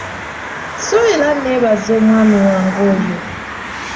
Sso era nneebaza omwami wange oyo.